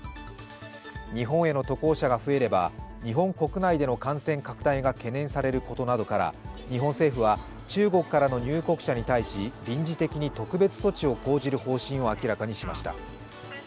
日本への渡航者が増えれば、日本国内での感染拡大が懸念されることなどから日本政府は、中国からの入国者に対し臨時的に特別措置を講じる方針を明らかにしました。